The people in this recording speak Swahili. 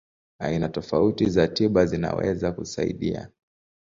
Aina tofauti za tiba zinaweza kusaidia.